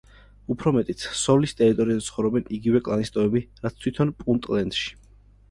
უფრო მეტიც, სოლის ტერიტორიაზე ცხოვრობენ იგივე კლანის ტომები, რაც თვითონ პუნტლენდში.